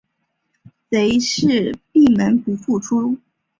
贼自是闭门不复出。